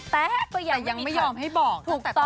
แต่ยังไม่ยอมให้บอก